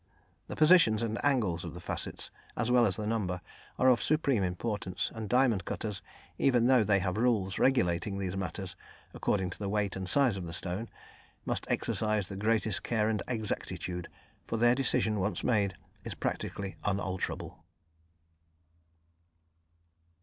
The positions and angles of the facets, as well as the number, are of supreme importance, and diamond cutters even though they have rules regulating these matters, according to the weight and size of the stone must exercise the greatest care and exactitude, for their decision once made is practically unalterable.